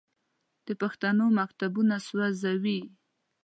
د پښتنو مکتبونه سوځوي.